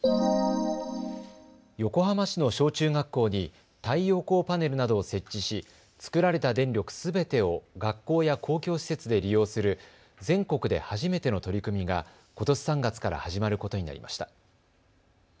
横浜市の小中学校に太陽光パネルなどを設置し作られた電力すべてを学校や公共施設で利用する全国で初めての取り組みがことし３月から始まることになりました。